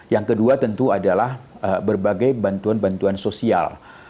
yang kedua tentu adalah berbagai bantuan bantuan sosial